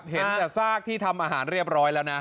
เห็นแต่ซากที่ทำอาหารเรียบร้อยแล้วนะ